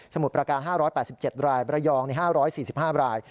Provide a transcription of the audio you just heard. มุดประการ๕๘๗รายประยอง๕๔๕ราย